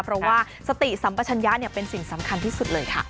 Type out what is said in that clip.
เพราะว่าสติสัมปชัญญะเป็นสิ่งสำคัญที่สุดเลยค่ะ